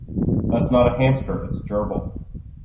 That's not a hamster, it's a gerbil.